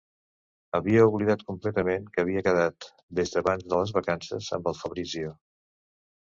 Havia oblidat completament que havia quedat, des d'abans de les vacances, amb el Fabrizio.